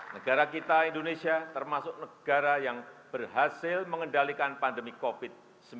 negara kita indonesia termasuk negara yang berhasil mengendalikan pandemi covid sembilan belas